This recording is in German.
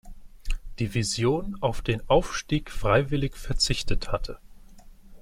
Division auf den Aufstieg freiwillig verzichtet hatte.